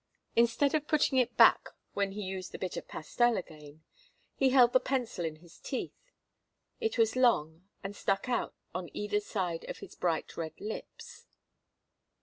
Instead of putting it back when he used the bit of pastel again, he held the pencil in his teeth. It was long and stuck out on each side of his bright red lips.